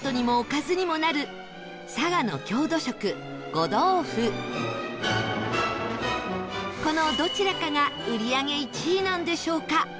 候補に絞ったのはこのどちらかが売り上げ１位なんでしょうか？